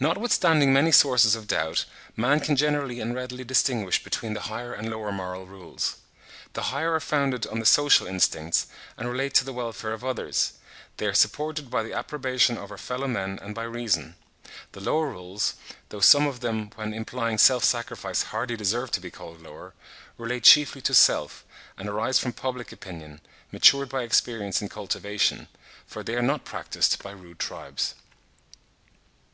Not withstanding many sources of doubt, man can generally and readily distinguish between the higher and lower moral rules. The higher are founded on the social instincts, and relate to the welfare of others. They are supported by the approbation of our fellow men and by reason. The lower rules, though some of them when implying self sacrifice hardly deserve to be called lower, relate chiefly to self, and arise from public opinion, matured by experience and cultivation; for they are not practised by rude tribes.